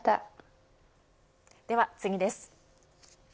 では次です。